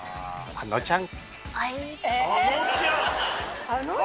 あのちゃん。